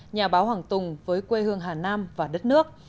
nhà báo hoàng tùng với quê hương hà nam và đất nước